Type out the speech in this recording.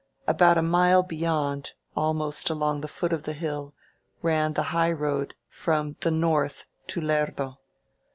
About a mile beyond, almost along the foot of the hill, ran the high road from the north to Lerdo.